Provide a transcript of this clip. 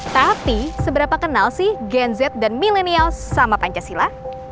tapi seberapa kenal sih genzet dan milenial sama pancasila